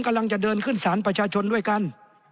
กำลังจะเดินขึ้นสารประชาชนด้วยกัน